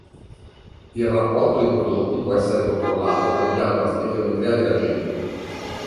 Il rapporto dei prodotti può essere controllato cambiando la stechiometria dei reagenti.